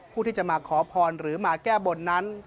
ผู้ที่จะมาขอพรหรือมาแก้บนนั้น